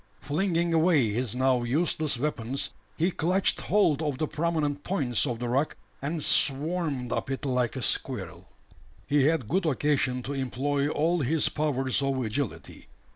Flinging away his now useless weapons, he clutched hold of the prominent points of the rock, and "swarmed" up it like a squirrel. He had good occasion to employ all his powers of agility.